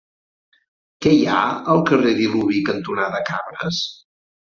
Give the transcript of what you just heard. Què hi ha al carrer Diluvi cantonada Cabres?